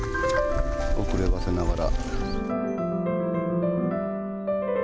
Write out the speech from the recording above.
遅ればせながら。